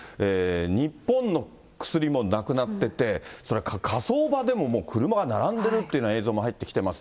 日本の薬もなくなってて、火葬場でももう車が並んでるって映像が入ってきてます。